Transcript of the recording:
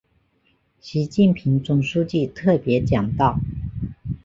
习近平总书记特别讲到